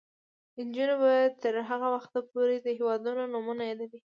نجونې به تر هغه وخته پورې د هیوادونو نومونه یادوي.